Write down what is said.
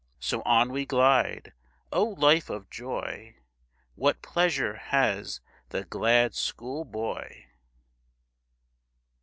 So on we glide O, life of joy; What pleasure has the glad school boy!